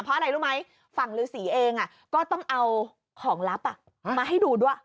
เพราะอะไรรู้ไหมฝั่งฤษีเองก็ต้องเอาของลับมาให้ดูด้วย